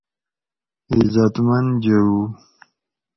عیزتمند جوؤ